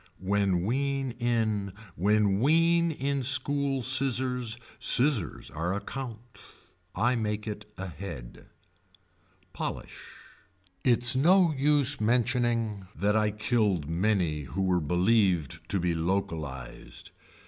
When wean in. When wean in school scissors. Scissors are a count. I make it ahead. Polish. Its no use mentioning that I killed many who were believed to be localized.